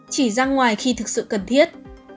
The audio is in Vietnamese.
chỉ ra ngoài khi thực sự cần thiết